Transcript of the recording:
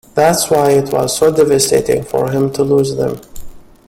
That's why it was so devastating for him to lose them.